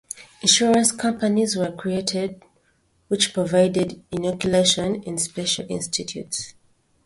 'Insurance companies' were created which provided inoculation in special 'institutes'.